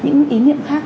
những ý niệm khác